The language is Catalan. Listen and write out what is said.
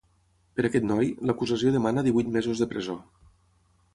Per aquest noi, l’acusació demana divuit mesos de presó.